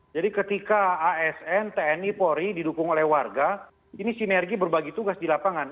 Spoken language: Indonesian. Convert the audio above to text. jadi ketika asn tni polri didukung oleh warga ini sinergi berbagi tugas di lapangan